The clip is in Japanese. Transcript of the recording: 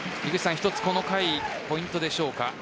一つこの回ポイントでしょうか？